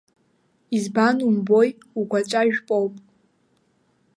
Избан умбои, угәаҵәа жәпоуп!